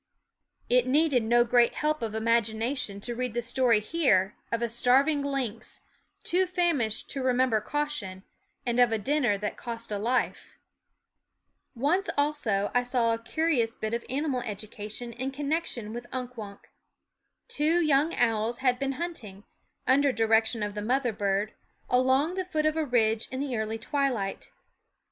It needed no great help of imagination to read the story here of a starv ing lynx, too famished to remember caution, and of a dinner that cost a life. THE WOODS Once also I saw a curious bit of animal 231 education in connection with Unk Wunk. ,,,^, r _. f/nkWunk Two young owls had begun hunting, under direction of the mother bird, along the foot of a ridge in the early twilight.